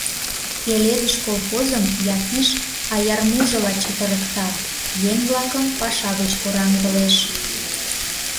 «Пеледыш» колхозым Якиш аярмужыла чытырыкта, еҥ-влакым паша гыч кораҥдылеш.